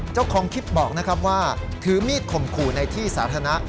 เจ้าของคลิปบอกนะครับว่าถือมีดข่มขู่ในที่สาธารณะ